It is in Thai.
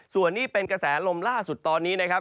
ส่วนนี้เป็นกระแสลมล่าสุดตอนนี้นะครับ